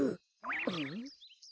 うん？